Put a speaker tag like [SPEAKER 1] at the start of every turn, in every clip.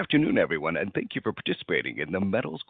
[SPEAKER 1] Good afternoon, everyone, thank you for participating in The Metals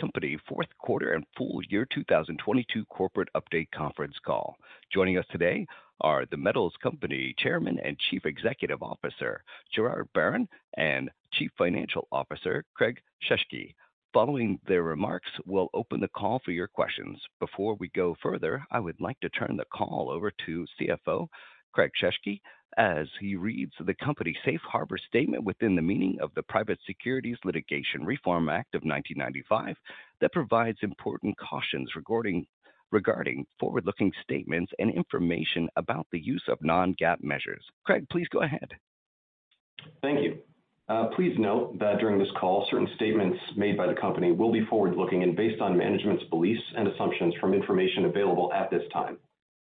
[SPEAKER 1] Company Fourth Quarter and Full Year 2022 Corporate Update Conference Call. Joining us today are The Metals Company Chairman and Chief Executive Officer, Gerard Barron, and Chief Financial Officer, Craig Shesky. Following their remarks, we'll open the call for your questions. Before we go further, I would like to turn the call over to CFO Craig Shesky as he reads the company Safe Harbor statement within the meaning of the Private Securities Litigation Reform Act of 1995 that provides important cautions regarding forward-looking statements and information about the use of non-GAAP measures. Craig, please go ahead.
[SPEAKER 2] Thank you. Please note that during this call, certain statements made by the company will be forward-looking and based on management's beliefs and assumptions from information available at this time.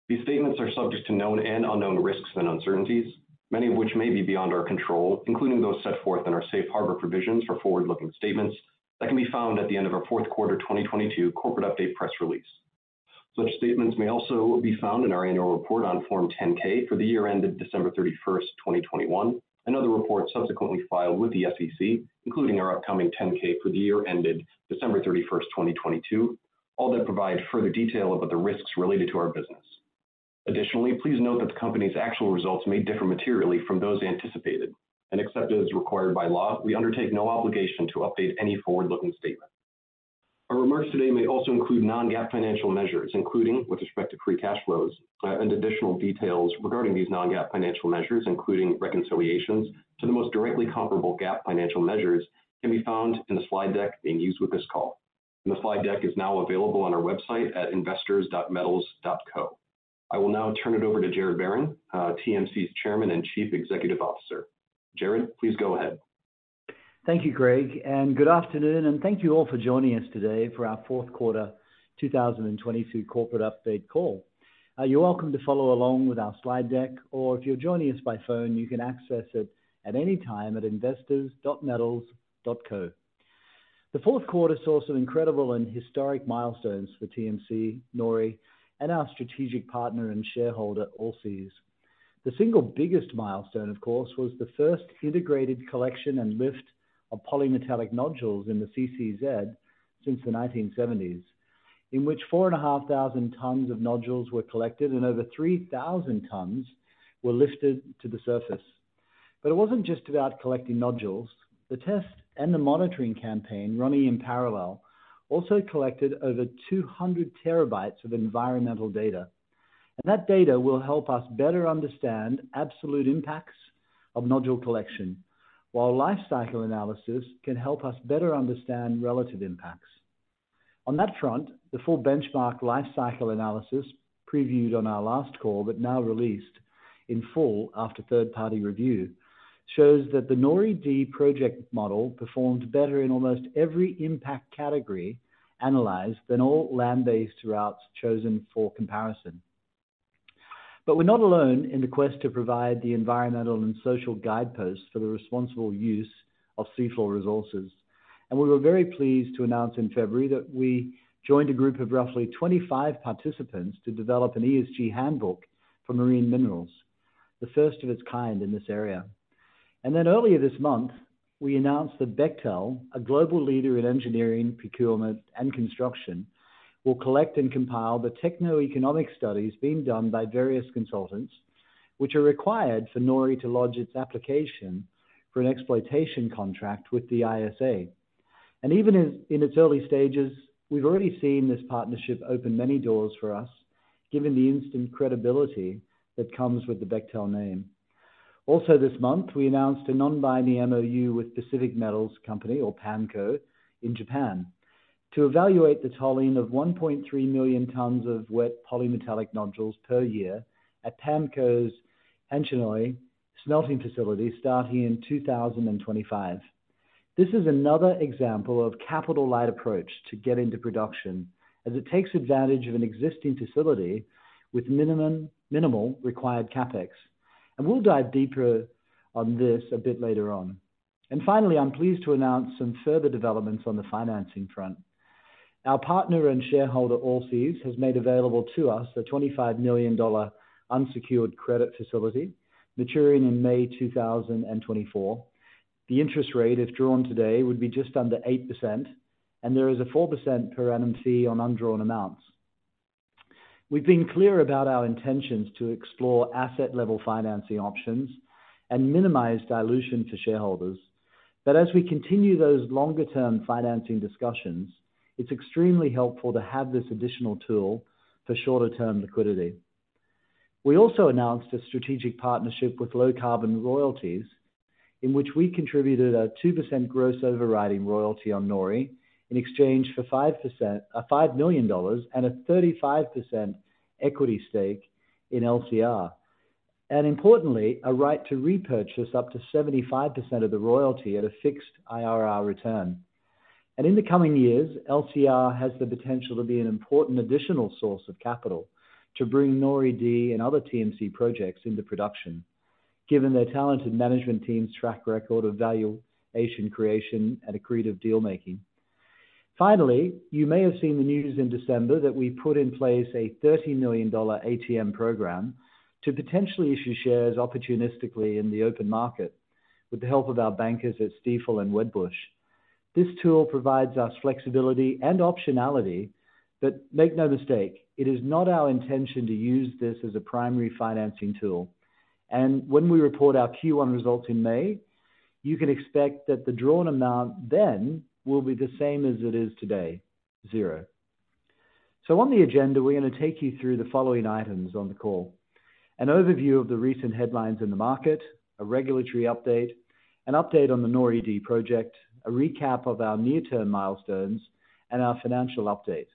[SPEAKER 2] These statements are subject to known and unknown risks and uncertainties, many of which may be beyond our control, including those set forth in our Safe Harbor provisions for forward-looking statements that can be found at the end of our Q4 2022 corporate update press release. Such statements may also be found in our annual report on Form 10-K for the year ended 31st December, 2021, and other reports subsequently filed with the SEC, including our upcoming 10-K for the year ended 31st December 2022, all that provide further detail about the risks related to our business. Additionally, please note that the company's actual results may differ materially from those anticipated. Except as required by law, we undertake no obligation to update any forward-looking statement. Our remarks today may also include non-GAAP financial measures, including with respect to free cash flows. Additional details regarding these non-GAAP financial measures, including reconciliations to the most directly comparable GAAP financial measures can be found in the slide deck being used with this call. The slide deck is now available on our website at investors.metals.co. I will now turn it over to Gerard Barron, TMC's Chairman and Chief Executive Officer. Gerard, please go ahead.
[SPEAKER 3] Thank you, Craig, good afternoon. Thank you all for joining us today for our fourth quarter 2022 corporate update call. You're welcome to follow along with our slide deck, or if you're joining us by phone, you can access it at any time at investors.metals.co. The fourth quarter saw some incredible and historic milestones for TMC, NORI, and our strategic partner and shareholder, Allseas. The single biggest milestone, of course, was the first integrated collection and lift of polymetallic nodules in the CCZ since the 1970s, in which 4,500 tons of nodules were collected and over 3,000 tons were lifted to the surface. It wasn't just about collecting nodules. The test and the monitoring campaign running in parallel also collected over 200 terabytes of environmental data. That data will help us better understand absolute impacts of nodule collection, while life cycle analysis can help us better understand relative impacts. On that front, the full Benchmark life cycle analysis previewed on our last call, but now released in full after third-party review, shows that the NORI-D project model performed better in almost every impact category analyzed than all land-based routes chosen for comparison. We're not alone in the quest to provide the environmental and social guideposts for the responsible use of seafloor resources. We were very pleased to announce in February that we joined a group of roughly 25 participants to develop an ESG Handbook for Marine Minerals, the first of its kind in this area. Earlier this month, we announced that Bechtel, a global leader in engineering, procurement, and construction, will collect and compile the techno-economic studies being done by various consultants, which are required for NORI to lodge its application for an exploitation contract with the ISA. Even in its early stages, we've already seen this partnership open many doors for us, given the instant credibility that comes with the Bechtel name. Also this month, we announced a non-binding MoU with Pacific Metals Company or PAMCO in Japan to evaluate the tolling of 1.3 million tons of wet polymetallic nodules per year at PAMCO's Hanshin smelting facility starting in 2025. This is another example of capital-light approach to get into production as it takes advantage of an existing facility with minimal required CapEx. We'll dive deeper on this a bit later on. Finally, I'm pleased to announce some further developments on the financing front. Our partner and shareholder, Allseas, has made available to us a $25 million unsecured credit facility maturing in May 2024. The interest rate, if drawn today, would be just under 8%, and there is a 4% per annum fee on undrawn amounts. We've been clear about our intentions to explore asset-level financing options and minimize dilution to shareholders. As we continue those longer-term financing discussions, it's extremely helpful to have this additional tool for shorter-term liquidity. We also announced a strategic partnership with Low Carbon Royalties, in which we contributed a 2% gross overriding royalty on NORI in exchange for $5 million and a 35% equity stake in LCR, and importantly, a right to repurchase up to 75% of the royalty at a fixed IRR return. In the coming years, LCR has the potential to be an important additional source of capital to bring NORI-D and other TMC projects into production. Given their talented management team's track record of valuation creation and accretive deal-making. Finally, you may have seen the news in December that we put in place a $30 million ATM program to potentially issue shares opportunistically in the open market with the help of our bankers at Stifel and Wedbush. This tool provides us flexibility and optionality, but make no mistake, it is not our intention to use this as a primary financing tool. When we report our Q1 results in May, you can expect that the drawn amount then will be the same as it is today, zero On the agenda, we're gonna take you through the following items on the call. An overview of the recent headlines in the market, a regulatory update, an update on the NORI-D project, a recap of our near-term milestones, and our financial update.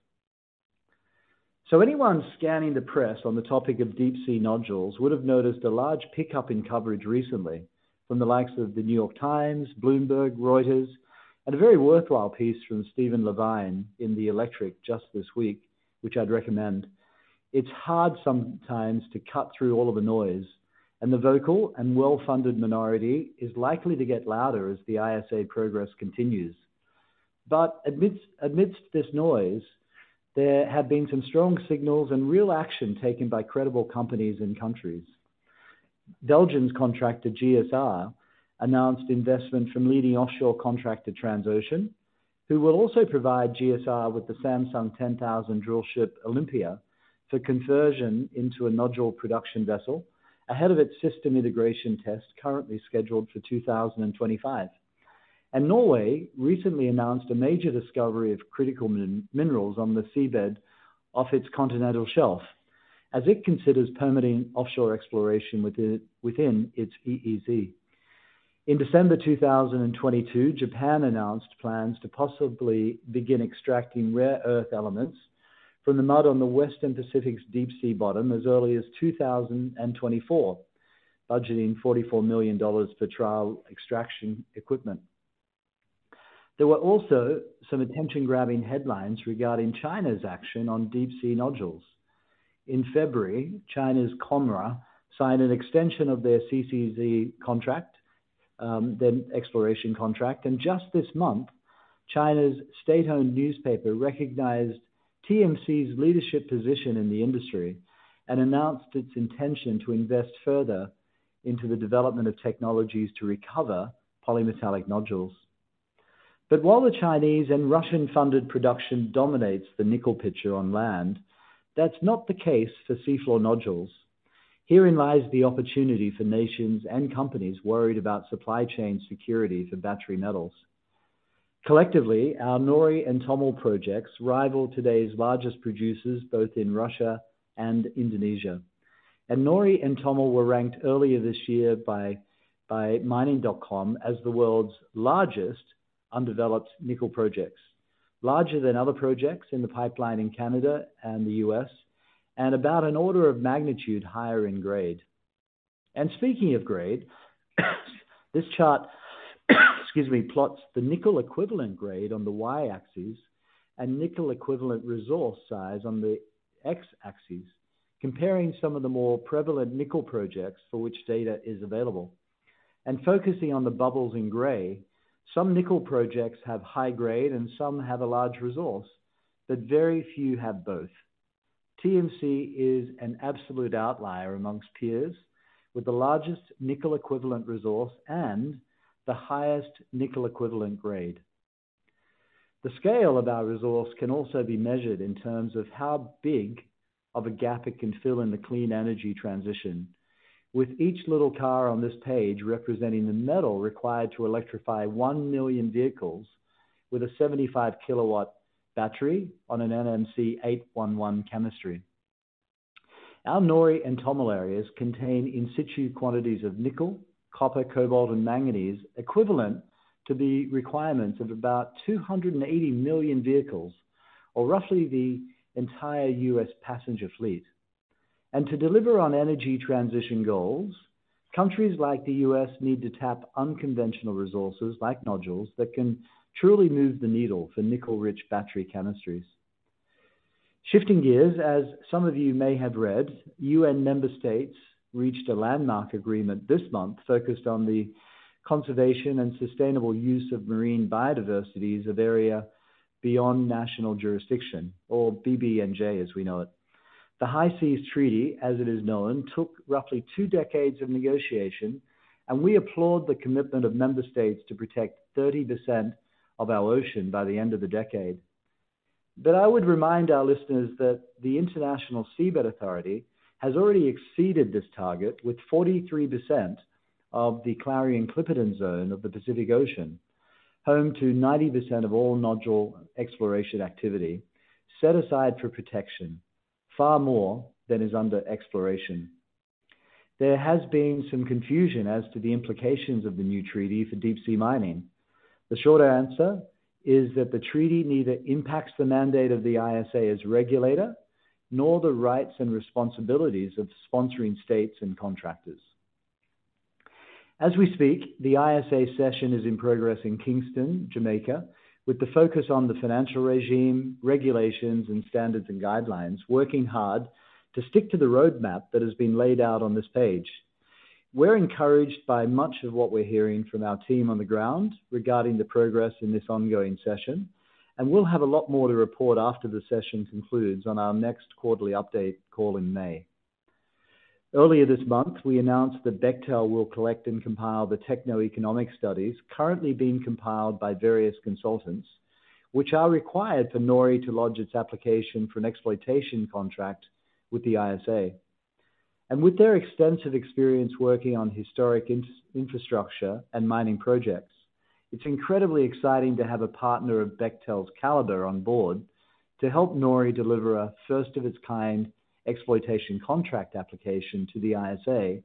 [SPEAKER 3] Anyone scanning the press on the topic of deep sea nodules would have noticed a large pickup in coverage recently from the likes of The New York Times, Bloomberg, Reuters, and a very worthwhile piece from Steve LeVine in The Electric just this week, which I'd recommend. It's hard sometimes to cut through all of the noise, and the vocal and well-funded minority is likely to get louder as the ISA progress continues. Amidst this noise, there have been some strong signals and real action taken by credible companies and countries. Belgium's contractor, GSR, announced investment from leading offshore contractor Transocean, who will also provide GSR with the Samsung 10000 drillship Olympia for conversion into a nodule production vessel ahead of its system integration test currently scheduled for 2025. Norway recently announced a major discovery of critical minerals on the seabed off its continental shelf as it considers permitting offshore exploration within its EEZ. In December 2022, Japan announced plans to possibly begin extracting rare earth elements from the mud on the Western Pacific's deep sea bottom as early as 2024, budgeting $44 million for trial extraction equipment. There were also some attention-grabbing headlines regarding China's action on deep sea nodules. In February, China's COMRA signed an extension of their CCZ contract, the exploration contract. Just this month, China's state-owned newspaper recognized TMC's leadership position in the industry and announced its intention to invest further into the development of technologies to recover polymetallic nodules. While the Chinese and Russian-funded production dominates the nickel picture on land, that's not the case for seafloor nodules. Herein lies the opportunity for nations and companies worried about supply chain security for battery metals. Collectively, our NORI and TOML projects rival today's largest producers, both in Russia and Indonesia. NORI and TOML were ranked earlier this year by Mining.com as the world's largest undeveloped nickel projects, larger than other projects in the pipeline in Canada and the U.S., and about an order of magnitude higher in grade. Speaking of grade, this chart excuse me, plots the nickel equivalent grade on the Y-axis and nickel equivalent resource size on the X-axis, comparing some of the more prevalent nickel projects for which data is available. Focusing on the bubbles in gray, some nickel projects have high grade and some have a large resource, but very few have both. TMC is an absolute outlier amongst peers with the largest nickel equivalent resource and the highest nickel equivalent grade. The scale of our resource can also be measured in terms of how big of a gap it can fill in the clean energy transition. With each little car on this page representing the metal required to electrify one million vehicles with a 75 kW battery on an NMC 811 chemistry. Our NORI and TOML areas contain in-situ quantities of nickel, copper, cobalt, and manganese equivalent to the requirements of about 280 million vehicles or roughly the entire U.S. passenger fleet. To deliver on energy transition goals, countries like the U.S. need to tap unconventional resources like nodules that can truly move the needle for nickel-rich battery chemistries. Shifting gears, as some of you may have read, U.N. member states reached a landmark agreement this month focused on the conservation and sustainable use of marine biodiversities of area beyond national jurisdiction or BBNJ as we know it. The High Seas Treaty, as it is known, took roughly two decades of negotiation. We applaud the commitment of member states to protect 30% of our ocean by the end of the decade. I would remind our listeners that the International Seabed Authority has already exceeded this target, with 43% of the Clarion-Clipperton Zone of the Pacific Ocean, home to 90% of all nodule exploration activity, set aside for protection, far more than is under exploration. There has been some confusion as to the implications of the new treaty for deep-sea mining. The shorter answer is that the treaty neither impacts the mandate of the ISA as regulator nor the rights and responsibilities of sponsoring states and contractors. As we speak, the ISA session is in progress in Kingston, Jamaica, with the focus on the financial regime, regulations, and standards and guidelines working hard to stick to the roadmap that has been laid out on this page. We're encouraged by much of what we're hearing from our team on the ground regarding the progress in this ongoing session, and we'll have a lot more to report after the session concludes on our next quarterly update call in May. Earlier this month, we announced that Bechtel will collect and compile the techno-economic studies currently being compiled by various consultants, which are required for NORI to lodge its application for an exploitation contract with the ISA. With their extensive experience working on historic infrastructure and mining projects, it's incredibly exciting to have a partner of Bechtel's caliber on board to help NORI deliver a first-of-its-kind exploitation contract application to the ISA,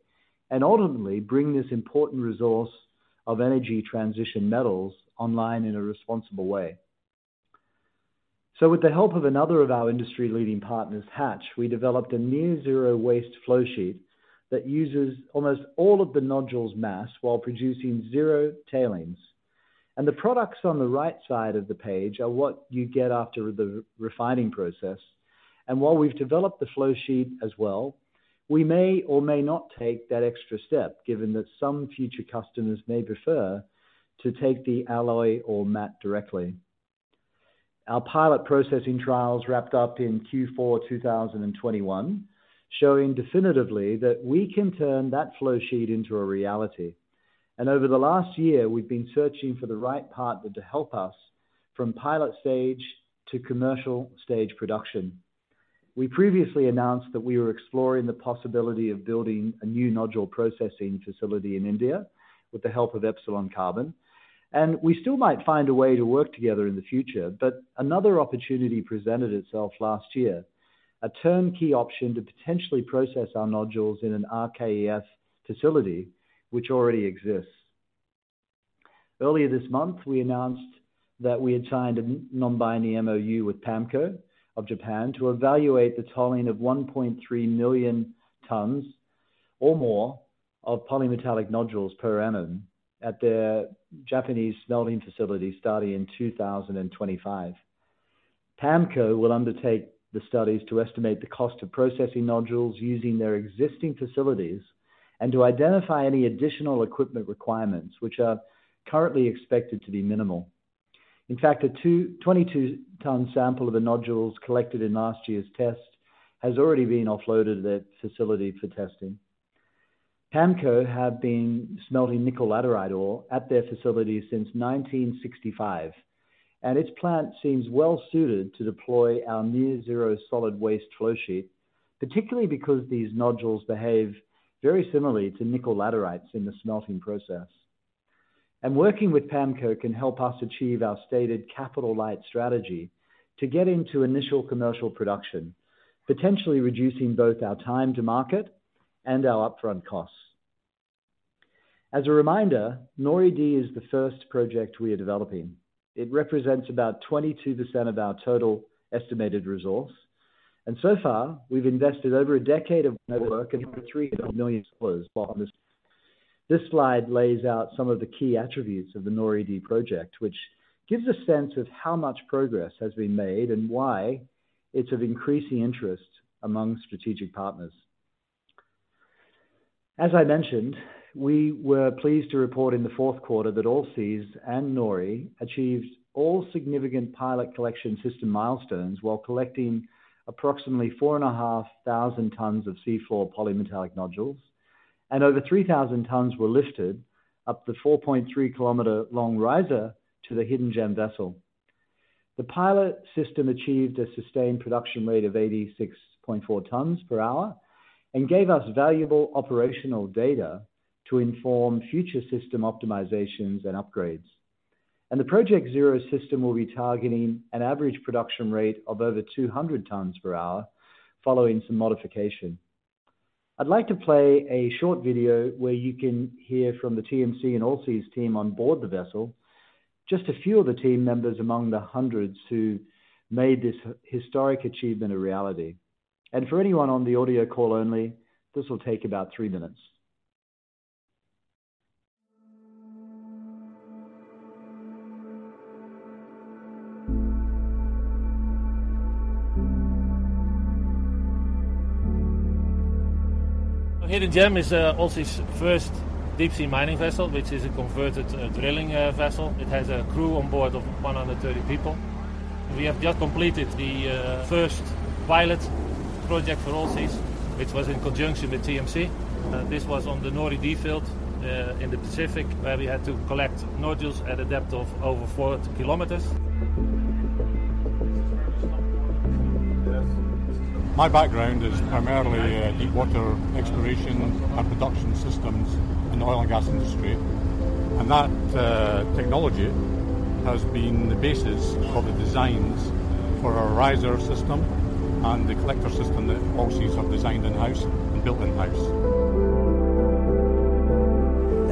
[SPEAKER 3] and ultimately bring this important resource of energy transition metals online in a responsible way. With the help of another of our industry-leading partners, Hatch, we developed a near-zero waste flowsheet that uses almost all of the nodule mass while producing zero tailings. The products on the right side of the page are what you get after the refining process. While we've developed the flowsheet as well, we may or may not take that extra step, given that some future customers may prefer to take the alloy or mat directly. Our pilot processing trials wrapped up in Q4 2021, showing definitively that we can turn that flowsheet into a reality. Over the last year, we've been searching for the right partner to help us from pilot stage to commercial stage production. We previously announced that we were exploring the possibility of building a new nodule processing facility in India with the help of Epsilon Carbon. We still might find a way to work together in the future, but another opportunity presented itself last year, a turnkey option to potentially process our nodules in an RKEF facility which already exists. Earlier this month, we announced that we had signed a non-binding MoU with PAMCO of Japan to evaluate the tolling of 1.3 million tons or more of polymetallic nodules per annum at their Japanese smelting facility starting in 2025. PAMCO will undertake the studies to estimate the cost of processing nodules using their existing facilities and to identify any additional equipment requirements which are currently expected to be minimal. In fact, a 22 ton sample of the nodules collected in last year's test has already been offloaded at that facility for testing. PAMCO have been smelting nickel laterite ore at their facility since 1965, and its plant seems well-suited to deploy our near zero solid waste flow sheet, particularly because these nodules behave very similarly to nickel laterites in the smelting process. Working with PAMCO can help us achieve our stated capital light strategy to get into initial commercial production, potentially reducing both our time to market and our upfront costs. As a reminder, NORI-D is the first project we are developing. It represents about 22% of our total estimated resource. So far, we've invested over a decade of network and $3 million on this. This slide lays out some of the key attributes of the NORI-D project, which gives a sense of how much progress has been made and why it's of increasing interest among strategic partners. As I mentioned, we were pleased to report in the fourth quarter that Allseas and NORI achieved all significant pilot collection system milestones while collecting approximately 4,500 tons of seafloor polymetallic nodules and over 3,000 tons were lifted up the 4.3 km long riser to the Hidden Gem vessel. The pilot system achieved a sustained production rate of 86.4 tons per hour and gave us valuable operational data to inform future system optimizations and upgrades. The Project Zero system will be targeting an average production rate of over 200 tons per hour following some modification. I'd like to play a short video where you can hear from the TMC and Allseas' team on board the vessel, just a few of the team members among the hundreds who made this historic achievement a reality. For anyone on the audio call only, this will take about three minutes.
[SPEAKER 4] Hidden Gem is Allseas' first deep sea mining vessel, which is a converted drilling vessel. It has a crew on board of 130 people. We have just completed the first pilot project for Allseas, which was in conjunction with TMC. This was on the NORI-D field in the Pacific, where we had to collect nodules at a depth of over 4 km. My background is primarily deep water exploration and production systems in the oil and gas industry. That technology has been the basis for the designs for our riser system and the collector system that Allseas's have designed in-house and built in-house.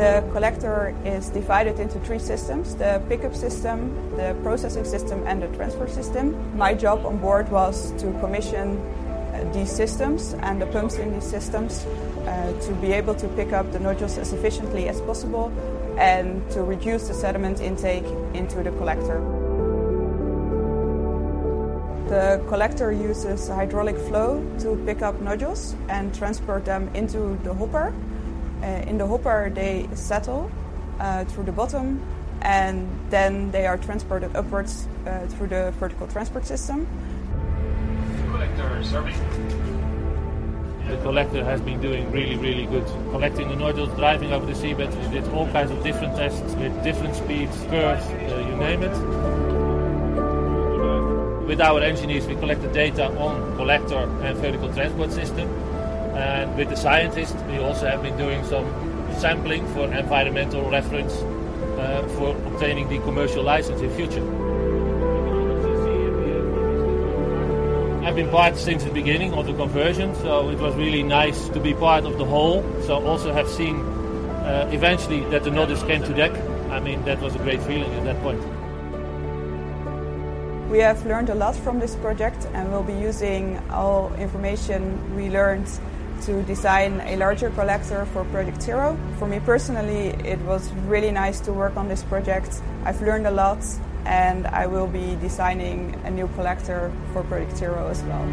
[SPEAKER 4] The collector is divided into three systems: the pickup system, the processing system, and the transfer system. My job on board was to commission these systems and the pumps in these systems, to be able to pick up the nodules as efficiently as possible and to reduce the sediment intake into the collector. The collector uses hydraulic flow to pick up nodules and transport them into the hopper. In the hopper, they settle, through the bottom, and then they are transported upwards, through the vertical transport system. Collector serving. The collector has been doing really, really good. Collecting the nodules, driving over the seabed. We did all kinds of different tests with different speeds, currents, you name it. With our engineers, we collected data on collector and vertical transport system. With the scientists, we also have been doing some sampling for environmental reference, for obtaining the commercial license in future. I've been part since the beginning of the conversion, it was really nice to be part of the whole. Also have seen, eventually that the nodules came to deck. I mean, that was a great feeling at that point. We have learned a lot from this project. We'll be using all information we learned to design a larger collector for Project Zero. For me personally, it was really nice to work on this project. I've learned a lot. I will be designing a new collector for Project Zero as well.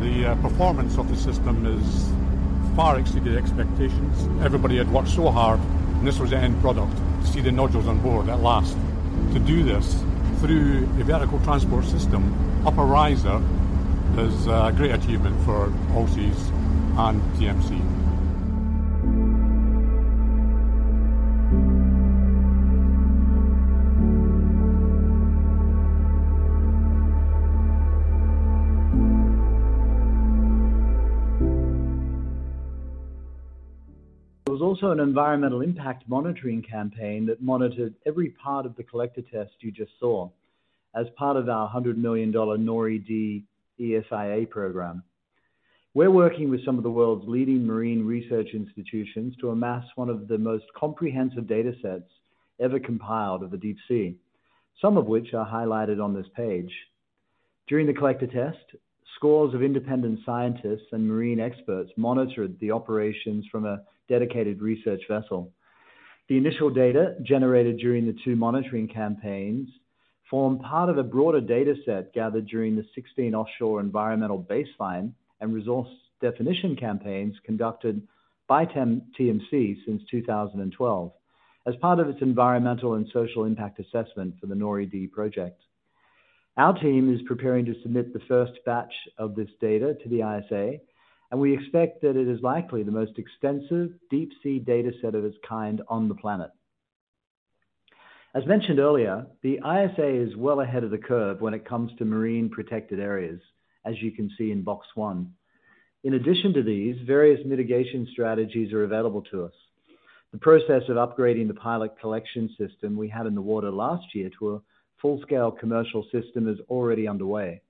[SPEAKER 4] The performance of the system is far exceeded expectations. Everybody had worked so hard. This was the end product. To see the nodules on board at last, to do this through the vertical transport system up a riser is a great achievement for Allseas and TMC.
[SPEAKER 3] There was also an environmental impact monitoring campaign that monitored every part of the collector test you just saw as part of our $100 million NORI-D ESIA program. We're working with some of the world's leading marine research institutions to amass one of the most comprehensive data sets ever compiled of the deep sea, some of which are highlighted on this page. During the collector test, scores of independent scientists and marine experts monitored the operations from a dedicated research vessel. The initial data generated during the two monitoring campaigns formed part of a broader data set gathered during the 16 offshore environmental baseline and resource definition campaigns conducted by TMC since 2012 as part of its environmental and social impact assessment for the NORI-D project. Our team is preparing to submit the first batch of this data to the ISA, and we expect that it is likely the most extensive deep sea data set of its kind on the planet. As mentioned earlier, the ISA is well ahead of the curve when it comes to marine protected areas, as you can see in box one. In addition to these, various mitigation strategies are available to us. The process of upgrading the pilot collection system we had in the water last year to a full-scale commercial system is already underway.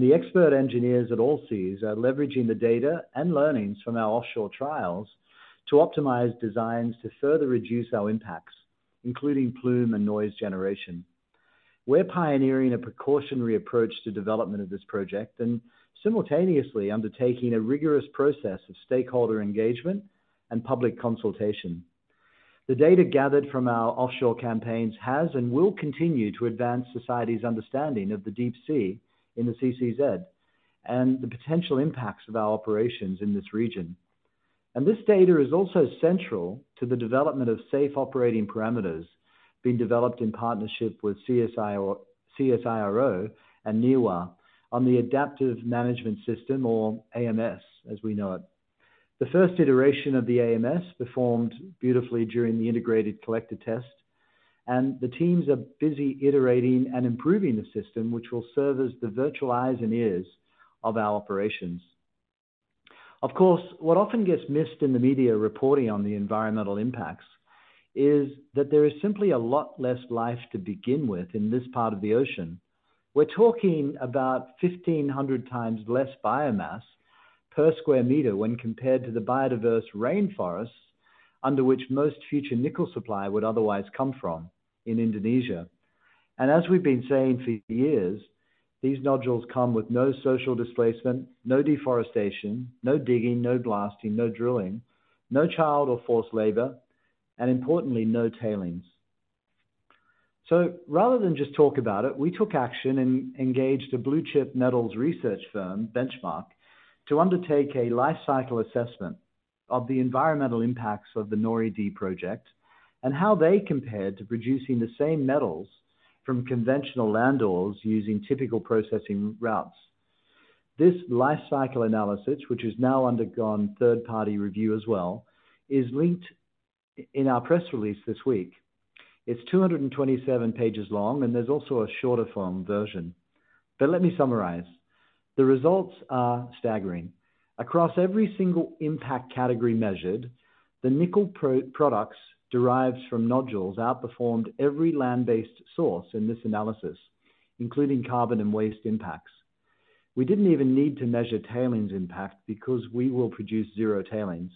[SPEAKER 3] The expert engineers at Allseas are leveraging the data and learnings from our offshore trials to optimize designs to further reduce our impacts, including plume and noise generation. We're pioneering a precautionary approach to development of this project and simultaneously undertaking a rigorous process of stakeholder engagement and public consultation. The data gathered from our offshore campaigns has and will continue to advance society's understanding of the deep sea in the CCZ and the potential impacts of our operations in this region. This data is also central to the development of safe operating parameters being developed in partnership with CSIRO and NIWA on the Adaptive Management System or AMS as we know it. The first iteration of the AMS performed beautifully during the integrated collector test, and the teams are busy iterating and improving the system, which will serve as the virtual eyes and ears of our operations. Of course, what often gets missed in the media reporting on the environmental impacts is that there is simply a lot less life to begin with in this part of the ocean. We're talking about 1,500x less biomass per square meter when compared to the biodiverse rainforests under which most future nickel supply would otherwise come from in Indonesia. As we've been saying for years, these nodules come with no social displacement, no deforestation, no digging, no blasting, no drilling, no child or forced labor, and importantly, no tailings. Rather than just talk about it, we took action and engaged a blue-chip metals research firm, Benchmark, to undertake a life cycle assessment of the environmental impacts of the NORI-D project and how they compared to producing the same metals from conventional land ores using typical processing routes. This life cycle analysis, which has now undergone third-party review as well, is linked in our press release this week. It's 227 pages long, and there's also a shorter form version. Let me summarize. The results are staggering. Across every single impact category measured, the nickel pro-products derived from nodules outperformed every land-based source in this analysis, including carbon and waste impacts. We didn't even need to measure tailings impact because we will produce zero tailings.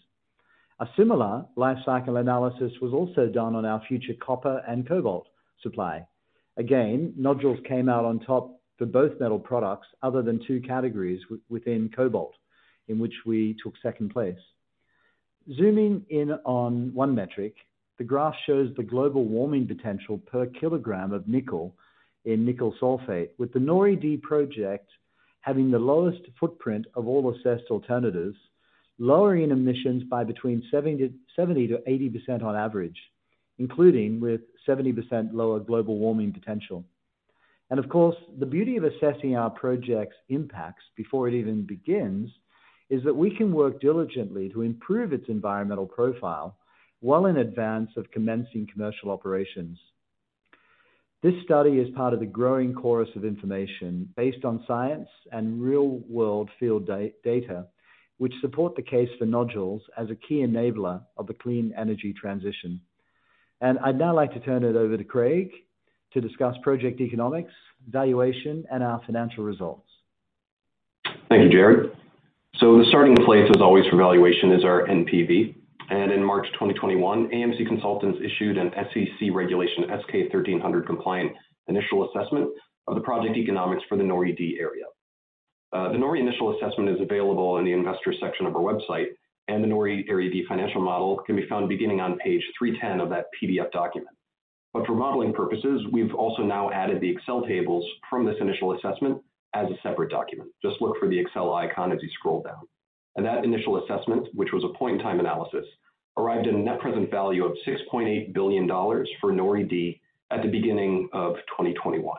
[SPEAKER 3] A similar life cycle analysis was also done on our future copper and cobalt supply. Again, nodules came out on top for both metal products other than two categories within cobalt in which we took second place. Zooming in on one metric, the graph shows the global warming potential per kilogram of nickel in nickel sulfate, with the NORI-D project having the lowest footprint of all assessed alternatives, lowering emissions by between 70%-80% on average, including with 70% lower global warming potential. Of course, the beauty of assessing our project's impacts before it even begins is that we can work diligently to improve its environmental profile well in advance of commencing commercial operations. This study is part of the growing chorus of information based on science and real-world field data which support the case for nodules as a key enabler of the clean energy transition. I'd now like to turn it over to Craig to discuss project economics, valuation, and our financial results.
[SPEAKER 2] Thank you, Gerard. The starting place, as always, for valuation is our NPV. In March 2021, AMC Consultants issued an SEC Regulation S-K 1300 compliant initial assessment of the project economics for the NORI-D area. The NORI initial assessment is available in the investor section of our website, and the NORI Area D financial model can be found beginning on page 310 of that PDF document. For modeling purposes, we've also now added the Excel tables from this initial assessment as a separate document. Just look for the Excel icon as you scroll down. That initial assessment, which was a point-in-time analysis, arrived at a net present value of $6.8 billion for NORI-D at the beginning of 2021.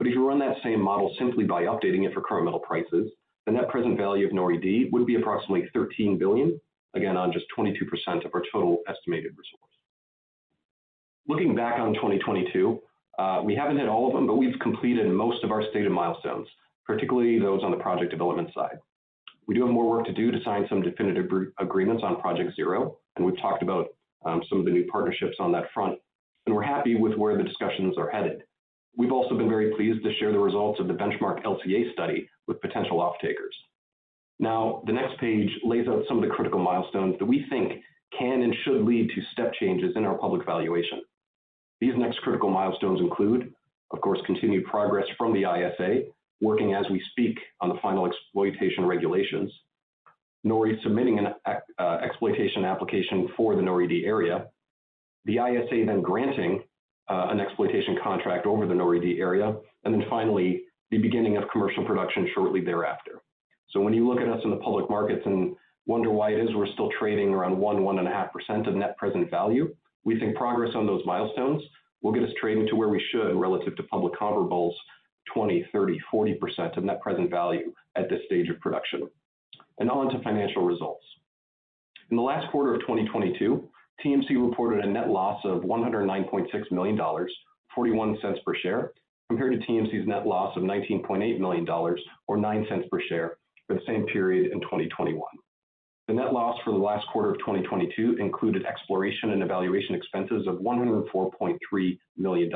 [SPEAKER 2] If you run that same model simply by updating it for current metal prices, the net present value of NORI-D would be approximately $13 billion, again, on just 22% of our total estimated resource. Looking back on 2022, we haven't hit all of them, but we've completed most of our stated milestones, particularly those on the project development side. We do have more work to do to sign some definitive group agreements on Project Zero, and we've talked about some of the new partnerships on that front, and we're happy with where the discussions are headed. We've also been very pleased to share the results of the Benchmark LCA study with potential off-takers. The next page lays out some of the critical milestones that we think can and should lead to step changes in our public valuation. These next critical milestones include, of course, continued progress from the ISA, working as we speak on the final exploitation regulations. NORI submitting an exploitation application for the NORI-D area. The ISA then granting an exploitation contract over the NORI-D area, and then finally, the beginning of commercial production shortly thereafter. When you look at us in the public markets and wonder why it is we're still trading around 1.5% of NPV, we think progress on those milestones will get us trading to where we should relative to public comparables, 20%, 30%, 40% of NPV at this stage of production. Now on to financial results. In the last quarter of 2022, TMC reported a net loss of $109.6 million, $0.41 per share, compared to TMC's net loss of $19.8 million or $0.09 per share for the same period in 2021. The net loss for the last quarter of 2022 included exploration and evaluation expenses of $104.3 million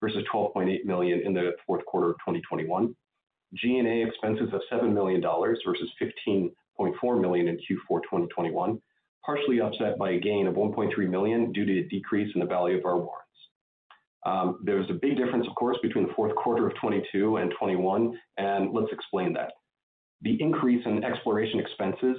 [SPEAKER 2] versus $12.8 million in the fourth quarter of 2021. G&A expenses of $7 million versus $15.4 million in Q4 2021, partially offset by a gain of $1.3 million due to a decrease in the value of our warrants. There's a big difference, of course, between the fourth quarter of 2022 and 2021. Let's explain that. The increase in exploration expenses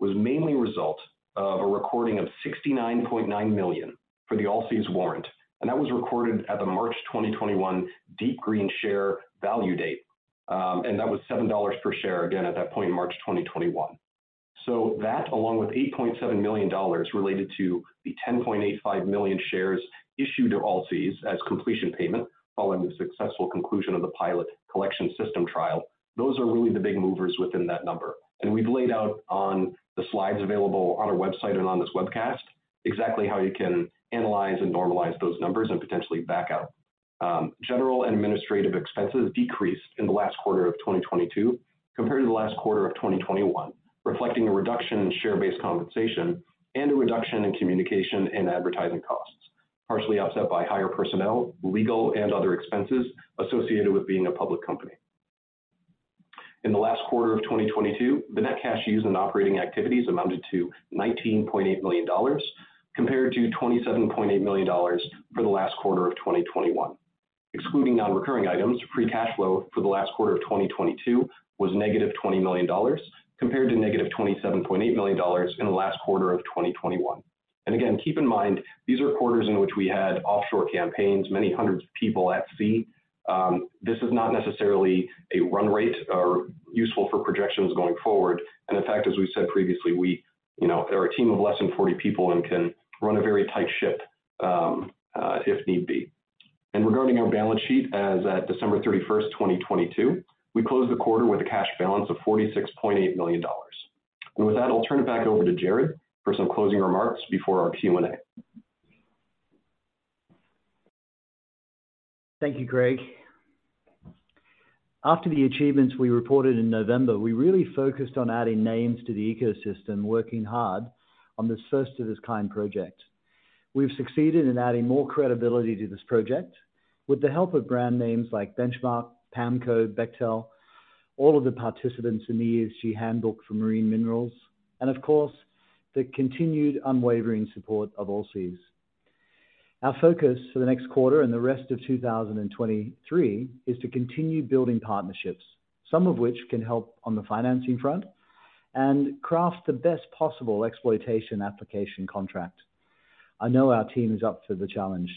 [SPEAKER 2] was mainly a result of a recording of $69.9 million for the Allseas warrant, that was recorded at the March 2021 DeepGreen share value date. That was $7 per share again at that point in March 2021. That, along with $8.7 million related to the 10.85 million shares issued to Allseas as completion payment following the successful conclusion of the pilot collection system trial, those are really the big movers within that number. We've laid out on the slides available on our website and on this webcast exactly how you can analyze and normalize those numbers and potentially back out. General and administrative expenses decreased in the last quarter of 2022 compared to the last quarter of 2021, reflecting a reduction in share-based compensation and a reduction in communication and advertising costs, partially offset by higher personnel, legal, and other expenses associated with being a public company. In the last quarter of 2022, the net cash used in operating activities amounted to $19.8 million, compared to $27.8 million for the last quarter of 2021. Excluding non-recurring items, free cash flow for the last quarter of 2022 was negative $20 million, compared to negative $27.8 million in the last quarter of 2021. Again, keep in mind, these are quarters in which we had offshore campaigns, many hundreds of people at sea. This is not necessarily a run rate or useful for projections going forward. In fact, as we said previously, we, you know, are a team of less than 40 people and can run a very tight ship, if need be. Regarding our balance sheet as at December 31, 2022, we closed the quarter with a cash balance of $46.8 million. With that, I'll turn it back over to Gerard for some closing remarks before our Q&A.
[SPEAKER 3] Thank you, Craig. After the achievements we reported in November, we really focused on adding names to the ecosystem, working hard on this first-of-its-kind project. We've succeeded in adding more credibility to this project with the help of brand names like Benchmark, PAMCO, Bechtel, all of the participants in the ESG Handbook for Marine Minerals, and of course, the continued unwavering support of Allseas. Our focus for the next quarter and the rest of 2023 is to continue building partnerships, some of which can help on the financing front and craft the best possible exploitation application contract. I know our team is up to the challenge.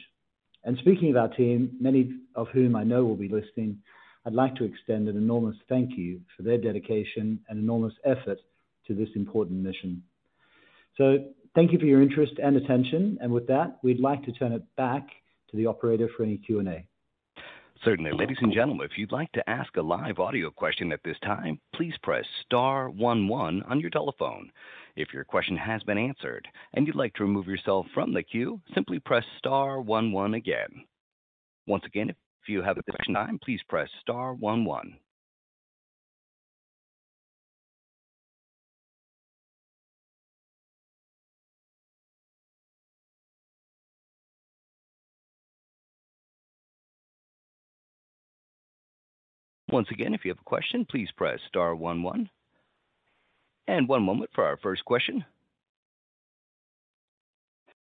[SPEAKER 3] Speaking of our team, many of whom I know will be listening, I'd like to extend an enormous thank you for their dedication and enormous effort to this important mission. Thank you for your interest and attention. With that, we'd like to turn it back to the operator for any Q&A.
[SPEAKER 1] Certainly. Ladies and gentlemen, if you'd like to ask a live audio question at this time, please press star one one on your telephone. If your question has been answered and you'd like to remove yourself from the queue, simply press star one one again. Once again, if you have a question at this time, please press star one one. Once again, if you have a question, please press star one one. One moment for our first question.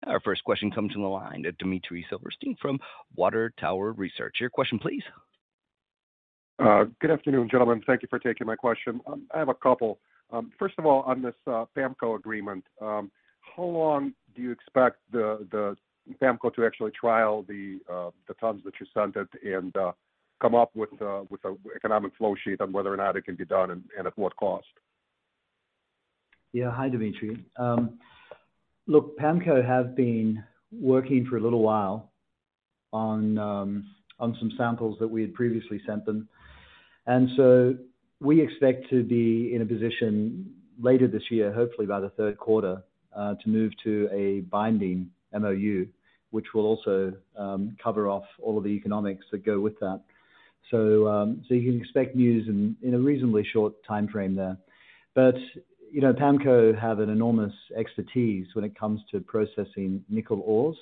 [SPEAKER 1] Our first question comes from the line, Dmitry Silversteyn from Water Tower Research. Your question please.
[SPEAKER 5] Good afternoon, gentlemen. Thank you for taking my question. I have a couple. First of all, on this PAMCO agreement, how long do you expect the PAMCO to actually trial the tons that you sent it and come up with an economic flowsheet on whether or not it can be done and at what cost?
[SPEAKER 3] Hi, Dmitry. Look, PAMCO have been working for a little while on some samples that we had previously sent them, we expect to be in a position later this year, hopefully by the third quarter, to move to a binding MoU, which will also cover off all of the economics that go with that. You can expect news in a reasonably short timeframe there. You know, PAMCO have an enormous expertise when it comes to processing nickel ores.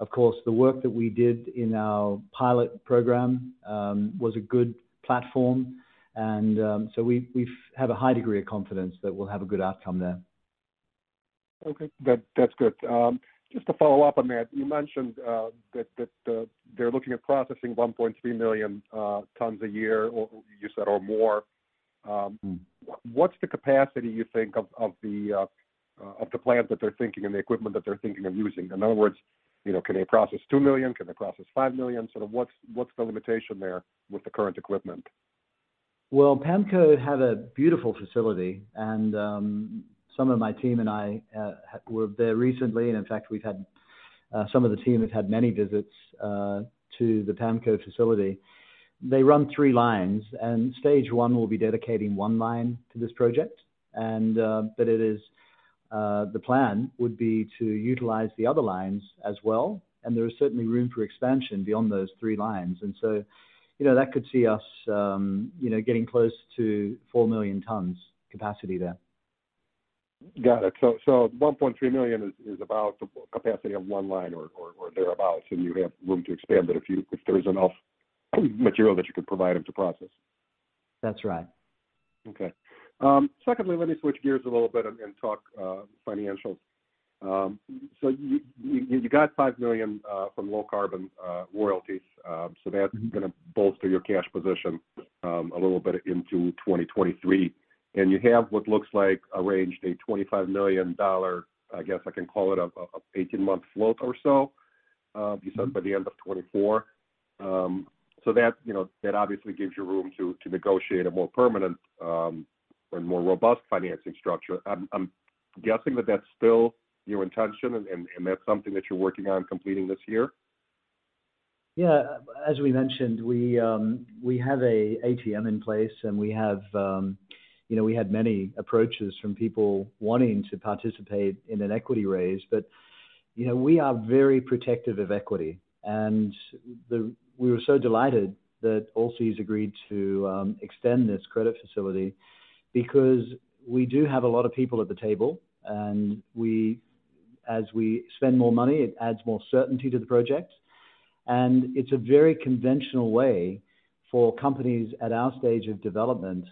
[SPEAKER 3] Of course, the work that we did in our pilot program was a good platform and we have a high degree of confidence that we'll have a good outcome there.
[SPEAKER 5] Okay. That's good. Just to follow up on that, you mentioned that they're looking at processing 1.3 million tons a year, or you said or more. What's the capacity you think of the plant that they're thinking and the equipment that they're thinking of using? In other words, you know, can they process two million? Can they process five million? Sort of what's the limitation there with the current equipment?
[SPEAKER 3] Pamco have a beautiful facility and some of my team and I were there recently, and in fact, we've had some of the team have had many visits to the Pamco facility. They run three lines, and stage one will be dedicating one line to this project, but it is the plan would be to utilize the other lines as well, and there is certainly room for expansion beyond those three lines. You know, that could see us, you know, getting close to four million tons capacity there.
[SPEAKER 5] Got it. 1.3 million is about the capacity of one line or thereabout, you have room to expand it if there's enough material that you can provide them to process.
[SPEAKER 3] That's right.
[SPEAKER 5] Okay. Secondly, let me switch gears a little bit and talk financials. You got $5 million from Low Carbon Royalties. Gonna bolster your cash position a little bit into 2023. You have what looks like arranged a $25 million, I guess I can call it a 18 months float or so, you said by the end of 2024. That, you know, that obviously gives you room to negotiate a more permanent or more robust financing structure. I'm guessing that that's still your intention and that's something that you're working on completing this year?
[SPEAKER 3] Yeah. As we mentioned, we have a ATM in place and we have, you know, we had many approaches from people wanting to participate in an equity raise. You know, we are very protective of equity. We were so delighted that Allseas agreed to extend this credit facility because we do have a lot of people at the table, and as we spend more money, it adds more certainty to the project. It's a very conventional way for companies at our stage of development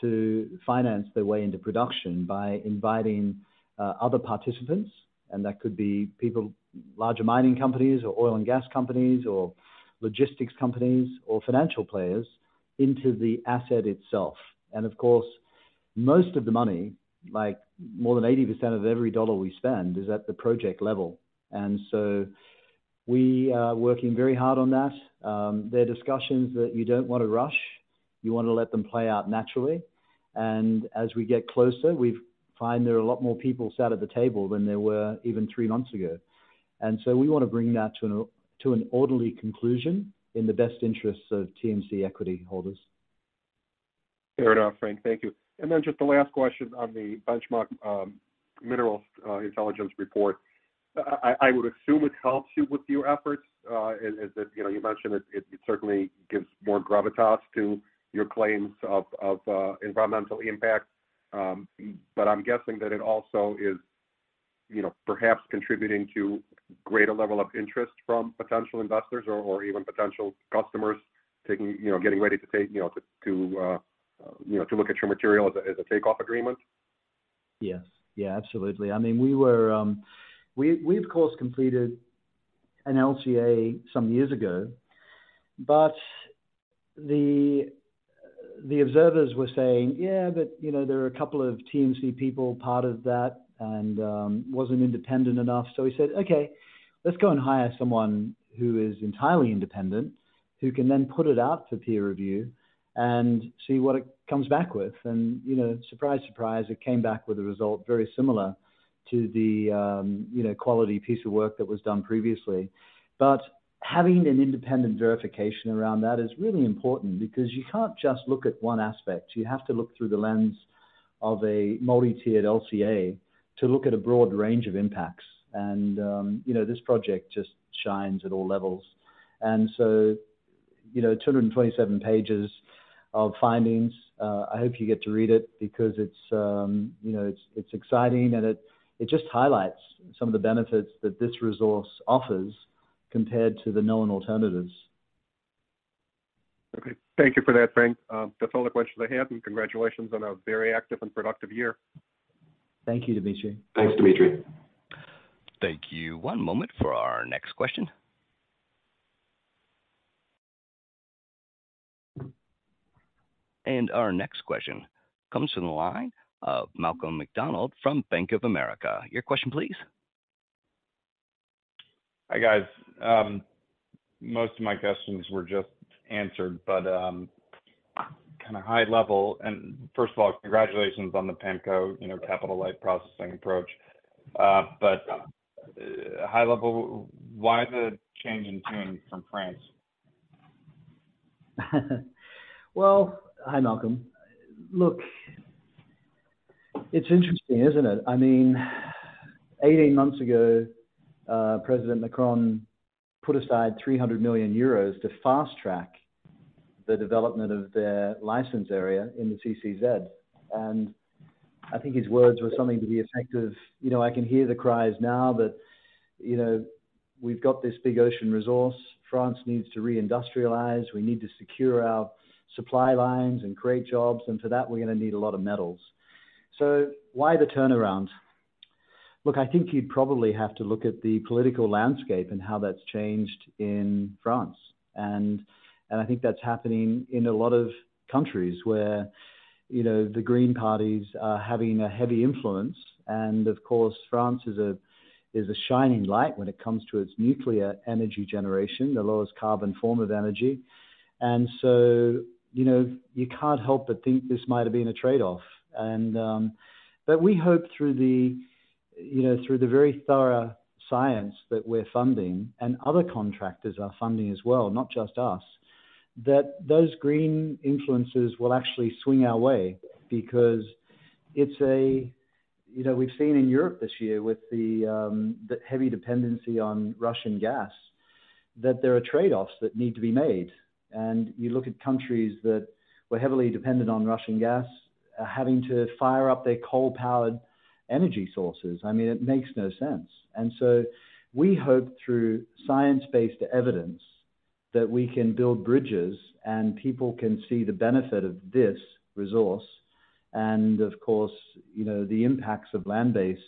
[SPEAKER 3] to finance their way into production by inviting other participants, and that could be people, larger mining companies or oil and gas companies or logistics companies or financial players into the asset itself. Of course, most of the money, like more than 80% of every dollar we spend is at the project level. We are working very hard on that. There are discussions that you don't wanna rush. You wanna let them play out naturally. As we get closer, we find there are a lot more people sat at the table than there were even three months ago. We wanna bring that to an orderly conclusion in the best interests of TMC equity holders.
[SPEAKER 5] Fair enough, Gerard. Thank you. Just the last question on the Benchmark Mineral Intelligence report. I would assume it helps you with your efforts, as, you know, you mentioned it certainly gives more gravitas to your claims of environmental impact. I'm guessing that it also is, you know, perhaps contributing to greater level of interest from potential investors or even potential customers taking, you know, getting ready to take, you know, to look at your material as a takeoff agreement.
[SPEAKER 3] Yes. Yeah, absolutely. I mean, we of course completed an LCA some years ago. The observers were saying, "Yeah, but, you know, there are a couple of TMC people part of that, and wasn't independent enough." We said, "Okay, let's go and hire someone who is entirely independent, who can then put it out for peer review and see what it comes back with." You know, surprise, it came back with a result very similar to the, you know, quality piece of work that was done previously. Having an independent verification around that is really important because you can't just look at one aspect. You have to look through the lens of a multi-tiered LCA to look at a broad range of impacts. You know, this project just shines at all levels. You know, 227 pages of findings. I hope you get to read it because it's, you know, it's exciting and it just highlights some of the benefits that this resource offers compared to the known alternatives.
[SPEAKER 5] Thank you for that, Gerard. That's all the questions I have. Congratulations on a very active and productive year.
[SPEAKER 3] Thank you, Dmitry.
[SPEAKER 2] Thanks, Dmitry.
[SPEAKER 1] Thank you. One moment for our next question. Our next question comes from the line of Malcolm MacDonald from Bank of America. Your question please.
[SPEAKER 6] Hi, guys. Most of my questions were just answered, but kind of high level. First of all, congratulations on the PAMCO, you know, capital light processing approach. High level, why the change in tune from France?
[SPEAKER 3] Well, Hi, Malcolm. Look, it's interesting, isn't it? I mean, 18 months ago, President Macron put aside 300 million euros to fast-track the development of their license area in the CCZ. I think his words were something to the effect of, you know, "I can hear the cries now, but, you know, we've got this big ocean resource. France needs to re-industrialize. We need to secure our supply lines and create jobs. For that, we're gonna need a lot of metals." Why the turnaround? Look, I think you'd probably have to look at the political landscape and how that's changed in France. I think that's happening in a lot of countries where, you know, the Green parties are having a heavy influence. Of course, France is a shining light when it comes to its nuclear energy generation, the lowest carbon form of energy. You know, you can't help but think this might have been a trade-off. We hope through the, you know, through the very thorough science that we're funding and other contractors are funding as well, not just us, that those green influences will actually swing our way because. You know, we've seen in Europe this year with the heavy dependency on Russian gas, that there are trade-offs that need to be made. You look at countries that were heavily dependent on Russian gas are having to fire up their coal-powered energy sources. I mean, it makes no sense. We hope through science-based evidence that we can build bridges, and people can see the benefit of this resource. Of course, you know, the impacts of land-based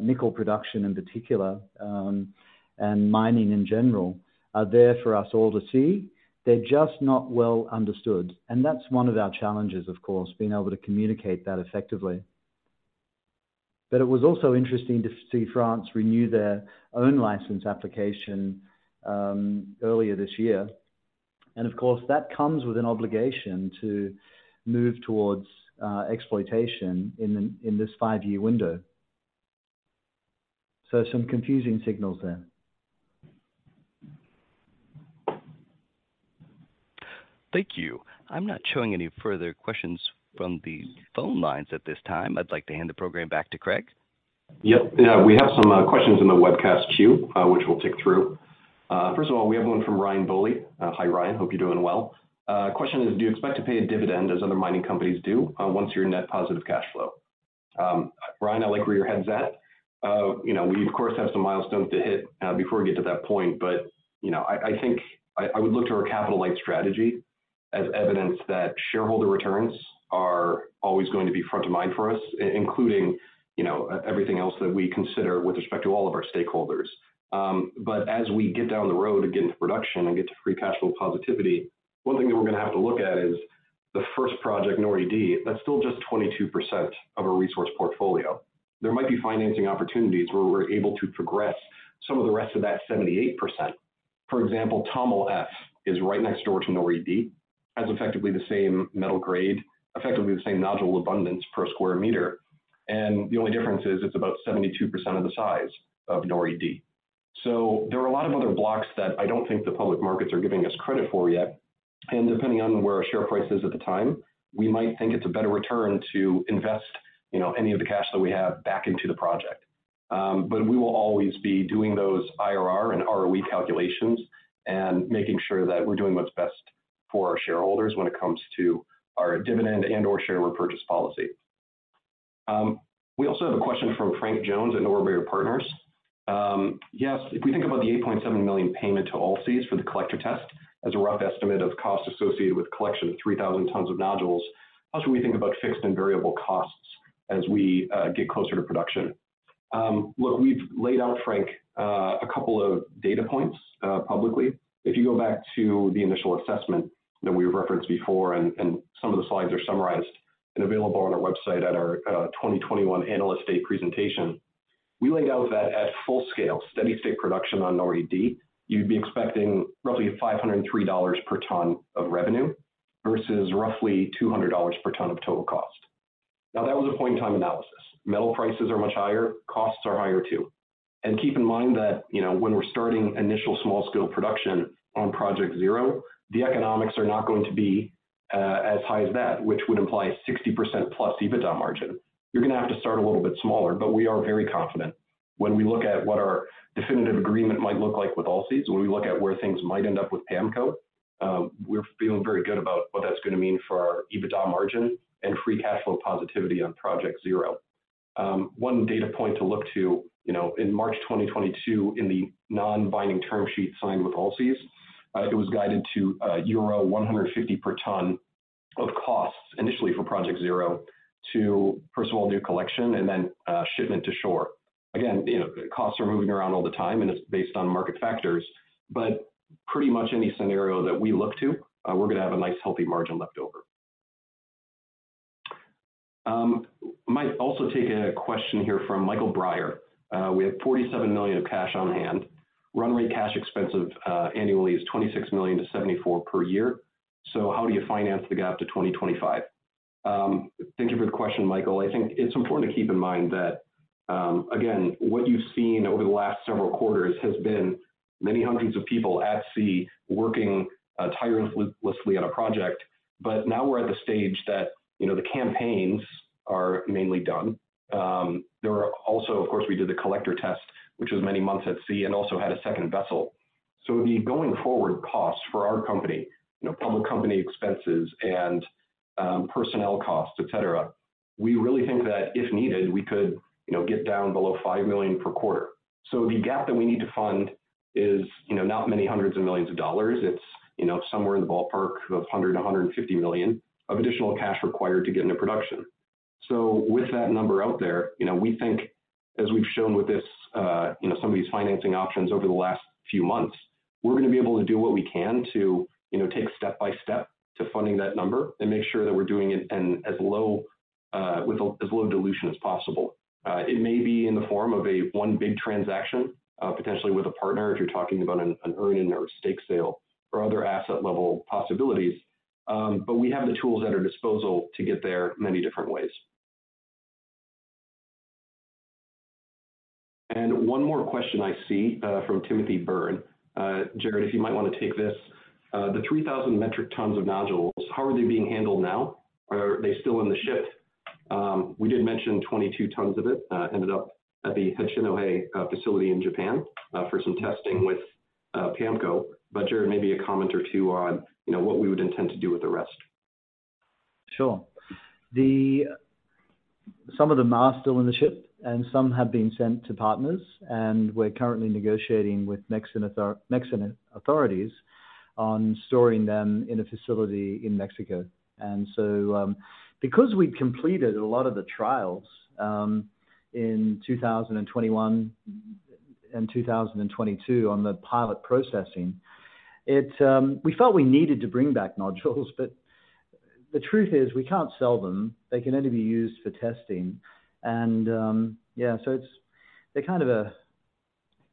[SPEAKER 3] nickel production in particular, and mining in general, are there for us all to see. They're just not well understood. That's one of our challenges, of course, being able to communicate that effectively. It was also interesting to see France renew their own license application earlier this year. Of course, that comes with an obligation to move towards exploitation in this five-year window. Some confusing signals there.
[SPEAKER 1] Thank you. I'm not showing any further questions from the phone lines at this time. I'd like to hand the program back to Craig.
[SPEAKER 2] Yep. Yeah. We have some questions in the webcast queue, which we'll tick through. First of all, we have one from Ryan Boley. Hi, Ryan. Hope you're doing well. Question is, do you expect to pay a dividend as other mining companies do, once you're net positive cash flow? Ryan, I like where your head's at. You know, we of course have some milestones to hit before we get to that point. You know, I think I would look to our capital light strategy as evidence that shareholder returns are always going to be front of mind for us, including, you know, everything else that we consider with respect to all of our stakeholders. As we get down the road and get into production and get to free cash flow positivity, one thing that we're gonna have to look at is the first project, NORI-D, that's still just 22% of our resource portfolio. There might be financing opportunities where we're able to progress some of the rest of that 78%. For example, TOML-F is right next door to NORI-D, has effectively the same metal grade, effectively the same nodule abundance per square meter, and the only difference is it's about 72% of the size of NORI-D. There are a lot of other blocks that I don't think the public markets are giving us credit for yet. Depending on where our share price is at the time, we might think it's a better return to invest, you know, any of the cash that we have back into the project. We will always be doing those IRR and ROE calculations and making sure that we're doing what's best for our shareholders when it comes to our dividend and/or share repurchase policy. We also have a question from Frank Jones at Orbis Partners. If we think about the $8.7 million payment to Allseas for the collector test as a rough estimate of costs associated with collection of 3,000 tons of nodules, how should we think about fixed and variable costs as we get closer to production? Look, we've laid out, Frank, a couple of data points, publicly. If you go back to the initial assessment that we referenced before, and some of the slides are summarized and available on our website at our 2021 analyst day presentation. We laid out that at full scale, steady state production on NORI-D, you'd be expecting roughly $503 per ton of revenue versus roughly $200 per ton of total cost. That was a point in time analysis. Metal prices are much higher, costs are higher too. Keep in mind that, you know, when we're starting initial small-scale production on Project Zero, the economics are not going to be as high as that, which would imply 60% plus EBITDA margin. You're gonna have to start a little bit smaller, we are very confident when we look at what our definitive agreement might look like with Allseas, when we look at where things might end up with PAMCO, we're feeling very good about what that's gonna mean for our EBITDA margin and free cash flow positivity on Project Zero. One data point to look to, you know, in March 2022, in the non-binding term sheet signed with Allseas, it was guided to euro 150 per ton of costs initially for Project Zero to first of all do collection and then shipment to shore. Again, you know, costs are moving around all the time, it's based on market factors. Pretty much any scenario that we look to, we're gonna have a nice, healthy margin left over. Might also take a question here from Michael Breyer. We have $47 million of cash on hand. Runway cash expensive annually is $26 million to $74 per year. How do you finance the gap to 2025? Thank you for the question, Michael. I think it's important to keep in mind that again, what you've seen over the last several quarters has been many hundreds of people at sea working tirelessly on a project. Now we're at the stage that, you know, the campaigns are mainly done. There are also, of course, we did the collector test, which was many months at sea, and also had a second vessel. The going forward costs for our company, you know, public company expenses and personnel costs, et cetera, we really think that if needed, we could, you know, get down below $5 million per quarter. The gap that we need to fund is, you know, not many $100 million. It's, you know, somewhere in the ballpark of $100 million to $150 million of additional cash required to get into production. With that number out there, you know, we think as we've shown with this, you know, some of these financing options over the last few months, we're gonna be able to do what we can to, you know, take step-by-step to funding that number and make sure that we're doing it and as low with as low dilution as possible. It may be in the form of a one big transaction, potentially with a partner if you're talking about an earn-in or a stake sale or other asset level possibilities. We have the tools at our disposal to get there many different ways. One more question I see from Timothy Byrne. Jared, if you might wanna take this. The 3,000 metric tons of nodules, how are they being handled now? Are they still in the ship? We did mention 22 tons of it ended up at the Hachinohe facility in Japan for some testing with PAMCO. Jared, maybe a comment or two on, you know, what we would intend to do with the rest.
[SPEAKER 3] Sure. Some of them are still in the ship, and some have been sent to partners, and we're currently negotiating with Mexican authorities on storing them in a facility in Mexico. Because we'd completed a lot of the trials, in 2021 and 2022 on the pilot processing, it we felt we needed to bring back nodules, but the truth is, we can't sell them. They can only be used for testing. Yeah, so it's, they're kind of a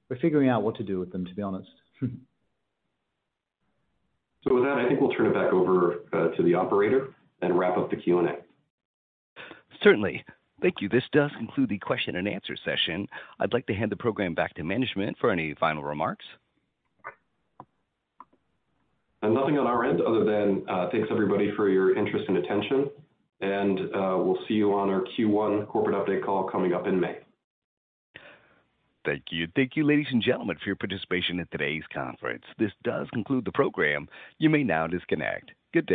[SPEAKER 3] we're figuring out what to do with them, to be honest.
[SPEAKER 2] With that, I think we'll turn it back over to the operator and wrap up the Q&A.
[SPEAKER 1] Certainly. Thank you. This does conclude the question and answer session. I'd like to hand the program back to management for any final remarks.
[SPEAKER 2] Nothing on our end other than, thanks everybody for your interest and attention. We'll see you on our Q1 corporate update call coming up in May.
[SPEAKER 1] Thank you. Thank you, ladies and gentlemen, for your participation in today's conference. This does conclude the program. You may now disconnect. Good day.